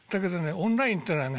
オンラインっていうのはね